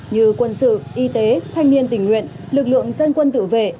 như quân sự y tế thanh niên tình nguyện lực lượng dân quân tự vệ